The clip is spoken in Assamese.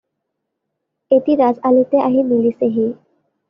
এটি ৰাজ-আলিতে আহি মিলিছেহি